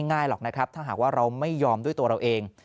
ง่ายหรอกนะครับถ้าหากว่าเราไม่ยอมด้วยตัวเราเอง